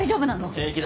平気だ。